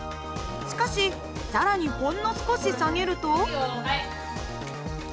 しかし更にほんの少し下げると。